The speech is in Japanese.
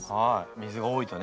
水が多いとね。